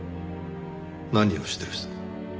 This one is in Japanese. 何をしてる人？